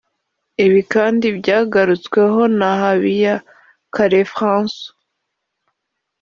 Ibi kandi byagarutsweho na Habiyakare Francois